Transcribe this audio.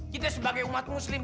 kita sebagai umat muslim